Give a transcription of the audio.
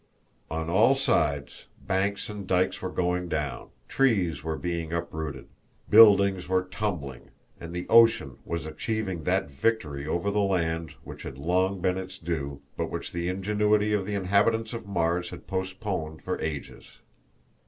On all sides banks and dykes were going down; trees were being uprooted; buildings were tumbling, and the ocean was achieving that victory over the land which had long been its due, but which the ingenuity of the inhabitants of Mars had postponed for ages.